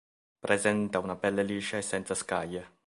Presenta una pelle liscia e senza scaglie.